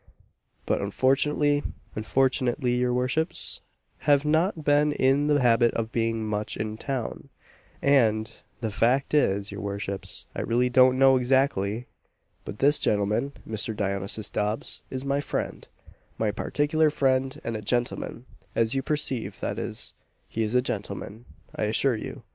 But unfortunately unfortunately, your worships, have not been in the habit of being much in town, and the fact is, your worships, I really don't know exactly; but this gentleman (Mr. Dionysius Dobbs) is my friend my particular friend, and a gentleman, as you perceive that is, he is a gentleman, I assure you.